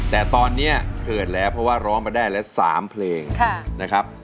แต่ตอนนี้เกิดแล้วเพราะว่าร้องมาได้แล้ว๓เพลงนะครับ